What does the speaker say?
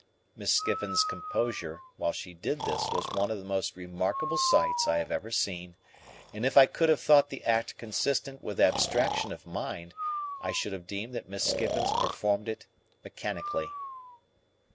Miss Skiffins's composure while she did this was one of the most remarkable sights I have ever seen, and if I could have thought the act consistent with abstraction of mind, I should have deemed that Miss Skiffins performed it mechanically.